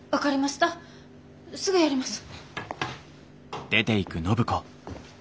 すぐやります。